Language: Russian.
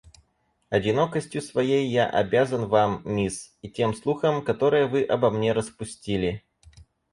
Одинокостью своей я обязан вам, мисс, и тем слухам, которые вы обо мне распустили.